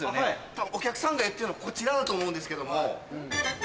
多分お客さんが言ってるのこちらだと思うんですけども。